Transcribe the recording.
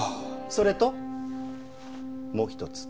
それともう一つ。